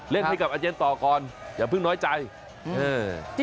เล่นให้กับอาเจนต์ต่อก่อนอย่าเพิ่งน้อยใจ